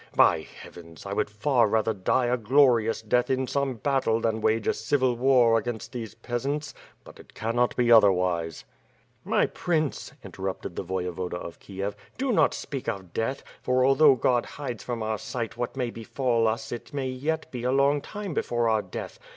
By Heavens! I would far rather die a glorious death in some battle than wage a civil war against these peasants — but it cannot be otherwise.^' "My Prince," interrupted the Voyevoda of Kiev, "do not speak of death, for although God hides from our sight what may befall us it may yet be a long time before our death.